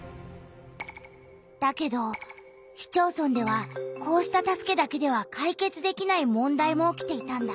だけど市町村ではこうした助けだけでは解決できない問題も起きていたんだ。